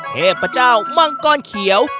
เทพเจ้ามังกรเขียว